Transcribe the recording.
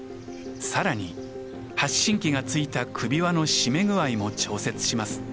さらに発信器が付いた首輪の締め具合も調節します。